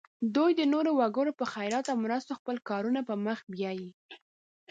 دوی د نورو وګړو په خیرات او مرستو خپل کارونه پر مخ بیایي.